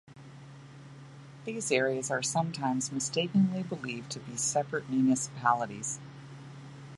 These areas are sometimes mistakenly believed to be separate municipalities.